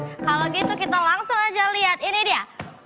kalau gitu kita langsung aja lihat ini dia